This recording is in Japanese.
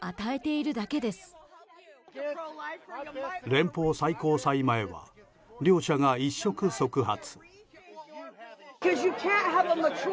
連邦最高裁前は両者が一触即発。